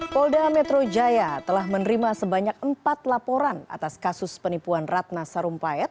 polda metro jaya telah menerima sebanyak empat laporan atas kasus penipuan ratna sarumpayat